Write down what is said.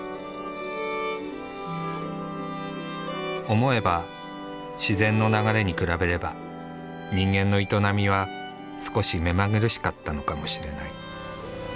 思えば自然の流れに比べれば人間の営みは少し目まぐるしかったのかもしれない。